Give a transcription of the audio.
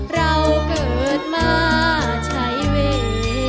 เราเกิดมาใช้เวย์